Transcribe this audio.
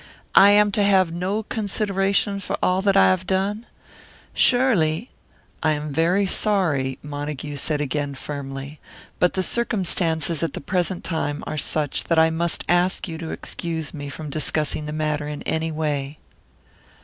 I am to have no consideration for all that I have done? Surely " "I am very sorry," Montague said again, firmly, "but the circumstances at the present time are such that I must ask you to excuse me from discussing the matter in any way."